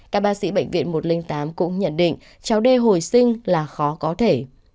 các bác sĩ bệnh viện một trăm linh tám cũng nhận định cháu đê hồi sinh là khó có thể